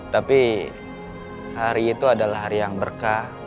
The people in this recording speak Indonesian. tapi hari itu adalah hari yang berkah